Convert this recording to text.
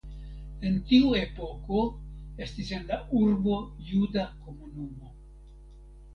En tiu epoko estis en la urbo juda komunumo.